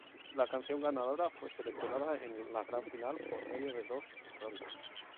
La canción ganadora fue seleccionada en la gran final por medio de dos rondas.